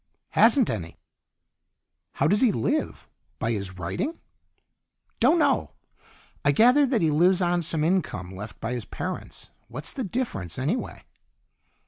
"Hasn't any." "How does he live? By his writing?" "Don't know. I gathered that he lives on some income left by his parents. What's the difference, anyway?"